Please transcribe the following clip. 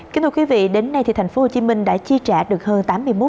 kính thưa quý vị đến nay thành phố hồ chí minh đã chi trả được hơn tám mươi một